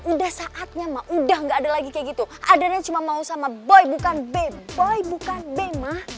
udah saatnya ma udah gak ada lagi kayak gitu adriana cuma mau sama boy bukan b boy bukan b ma